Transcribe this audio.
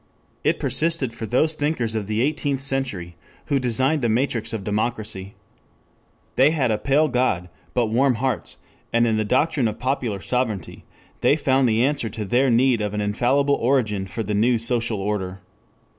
It persisted for those thinkers of the Eighteenth Century who designed the matrix of democracy. They had a pale god, but warm hearts, and in the doctrine of popular sovereignty they found the answer to their need of an infallible origin for the new social order.